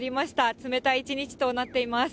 冷たい一日となっています。